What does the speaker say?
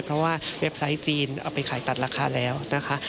เพราะว่าเว็บไซต์จีนเอาไปขายตัดราคาแล้วนะคะ